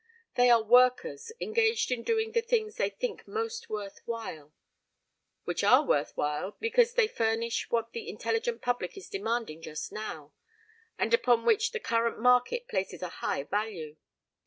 They are workers, engaged in doing the things they think most worth while which are worth while because they furnish what the intelligent public is demanding just now, and upon which the current market places a high value.